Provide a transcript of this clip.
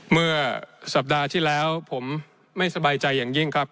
เมื่อสัปดาห์ที่แล้วผมไม่สบายใจอย่างยิ่งครับ